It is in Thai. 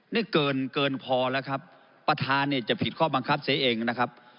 นี่เกินเกินพอแล้วครับประธานเนี่ยจะผิดข้อบังคับเสียเองนะครับ